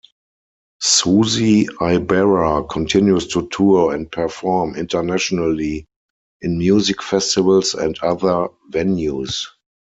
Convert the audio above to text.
Susie Ibarra continues to tour and perform internationally in music festivals and other venues.